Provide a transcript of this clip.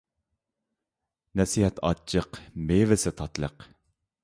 نەسىھەت ئاچچىق، مېۋىسى تاتلىق.